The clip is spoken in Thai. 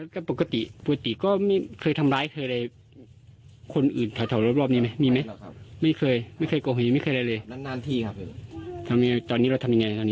ก็ปกติปกติก็ไม่เคยทำร้ายเกินเลยคนอื่นแถวรอบรอบนี้มรึไม่เคยไม่เคยเข้ามาอีกเลยร้านที่ทำให้ตอนนี้เราทำไงไว้